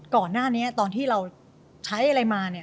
ก่อนหน้านี้ตอนที่เราใช้อะไรมา